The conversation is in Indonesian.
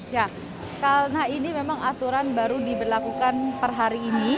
ya karena ini memang aturan baru diberlakukan per hari ini